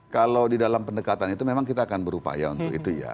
kalau di dalam pendekatan itu memang kita akan berupaya untuk itu ya